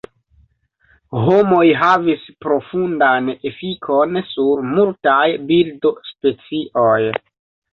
Homoj havis profundan efikon sur multaj birdospecioj.